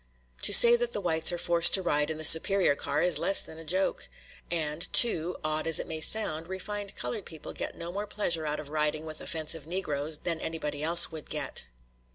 To say that the whites are forced to ride in the superior car is less than a joke. And, too, odd as it may sound, refined colored people get no more pleasure out of riding with offensive Negroes than anybody else would get.